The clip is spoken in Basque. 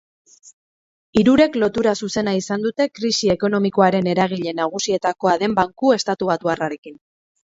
Hirurek lotura zuzena izan dute krisi ekonomikoaren eragile nagusietakoa den banku estatubatuarrarekin.